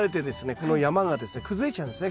この山がですね崩れちゃうんですね。